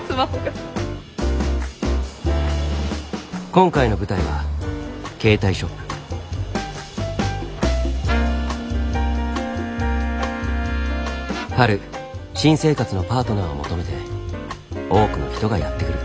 今回の舞台は春新生活のパートナーを求めて多くの人がやって来る。